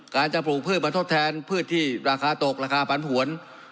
การจะปลูกพืชมาทดแทนพืชที่ราคาตกราคาปันผวน